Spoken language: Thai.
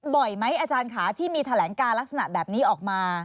บ่อยไหมอาจารย์ค่ะที่มีแถลงการลักษณะแบบนี้ออกมา